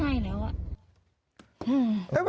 มันไม่ใช่แล้ว